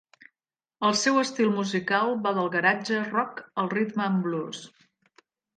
El seu estil musical va del garage rock a l'R'n'B.